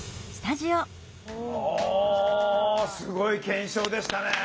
おすごい検証でしたね